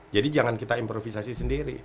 jadi jangan kita improvisasi sendiri